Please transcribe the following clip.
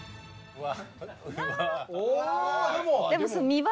うわ。